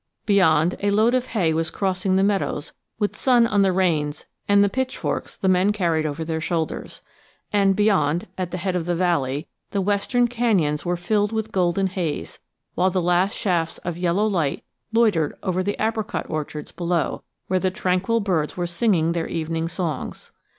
Beyond, a load of hay was crossing the meadows with sun on the reins and the pitchforks the men carried over their shoulders; and beyond, at the head of the valley, the western canyons were filled with golden haze, while the last shafts of yellow light loitered over the apricot orchards below, where the tranquil birds were singing their evening songs.